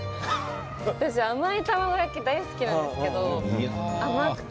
私、甘い卵焼き大好きなんですけど、甘くて。